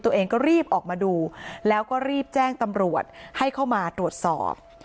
ตัวเองก็รีบออกมาดูแล้วก็รีบแจ้งตำรวจให้เข้ามาตรวจสอบ